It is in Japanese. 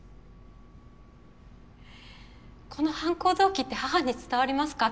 この犯行動機って母に伝わりますか？